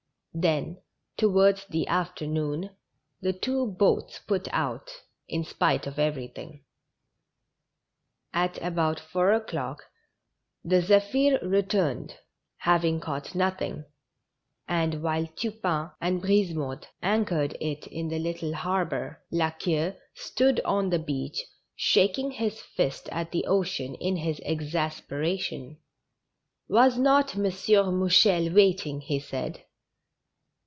Then, towards the afternoon, the two boats put out, in spite of everything. At about four o'clock, the Zephir returned, having caught nothing ; and while Tupain and Brisemotte anchored it in the little harbor. La Queue stood on the beach, shaking his fist at the ocean in his exasperation. Was not M. Mouchel waiting? he said.